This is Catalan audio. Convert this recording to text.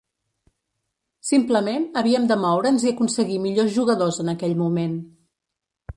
Simplement havíem de moure'ns i aconseguir millors jugadors en aquell moment.